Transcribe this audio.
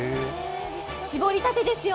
搾りたてですよ。